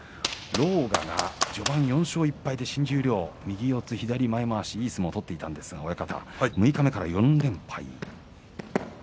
狼雅が序盤４勝１敗で新十両右四つ左前まわし、いい相撲を取っていたんですがそうですね。